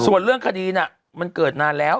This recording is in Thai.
ส่วนเรื่องคดีน่ะมันเกิดนานแล้ว